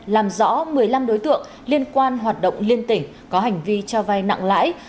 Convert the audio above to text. làm rõ một mươi năm đối tượng liên quan hoạt động liên tỉnh có hành vi cho vay nặng lãi